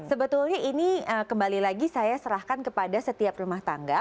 sebetulnya ini kembali lagi saya serahkan kepada setiap rumah tangga